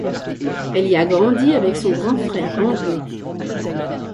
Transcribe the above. Elle y a grandi avec son grand frère, Andrew.